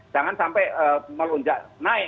jangan sampai melonjak naik